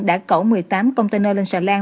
đã cẩu một mươi tám container lên sà lan